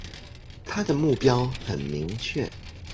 他的目標很明確